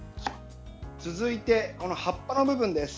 続いて、葉っぱの部分です。